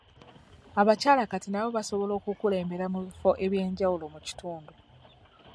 Abakyala kati nabo basobola okukulembera mu ebifo eby'enjawulo mu kitundu.